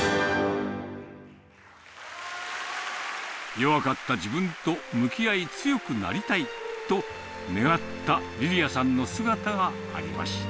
弱かった自分と向き合い強くなりたいと願ったりりあさんの姿がありました。